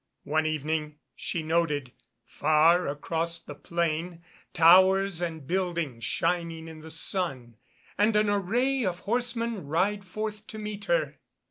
One evening she noted, far across the plain, towers and buildings shining in the sun, and an array of horsemen ride forth to meet her.